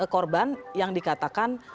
korban yang dikatakan